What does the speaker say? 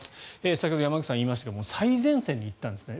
先ほど山口さんがおっしゃいましたが最前線に行ったんですね